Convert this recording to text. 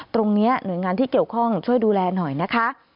หน่วยงานที่เกี่ยวข้องช่วยดูแลหน่อยนะคะ